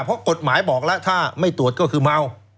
เพราะกฎหมายบอกแล้วถ้าไม่ตรวจก็คือเมา